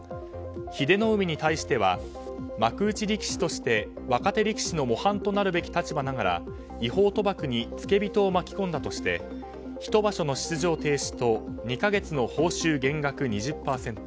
英乃海に対しては幕内力士として若い力士の模範となるべき立場ながら違法賭博に付け人を巻き込んだとしてひと場所の出場停止と２か月の報酬減額２０％。